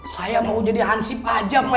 saya mau jadi hansip aja